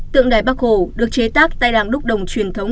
tượng đài bắc hồ được chế tác tại làng đúc đồng truyền thống